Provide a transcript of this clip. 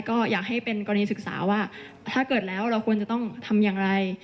ก็อยากให้เป็นกรณีศึกษาว่าถ้าเกิดแล้วเราควรจะต้องทำอย่างไร